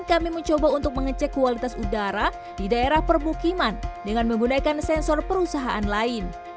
kami mencoba untuk mengecek kualitas udara di daerah permukiman dengan menggunakan sensor perusahaan lain